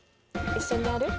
一緒にやる？